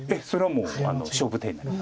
もう勝負手になります。